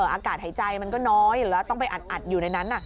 อากาศหายใจมันก็น้อยอยู่แล้วต้องไปอัดอยู่ในนั้น